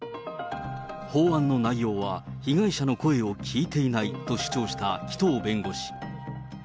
法案の内容は被害者の声を聞いていないと主張した紀藤弁護士。